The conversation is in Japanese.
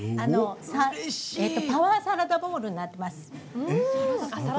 パワーサラダボウルになっています。